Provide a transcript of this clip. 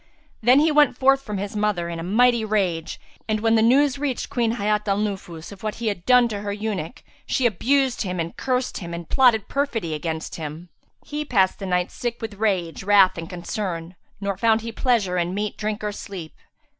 Then he went forth from his mother in a mighty rage; and when the news reached Queen Hayat al Nufus of what he had done with her eunuch, she abused him[FN#360] and cursed him and plotted perfidy against him. He passed the night, sick with rage, wrath and concern; nor found he pleasure in meat, drink or sleep.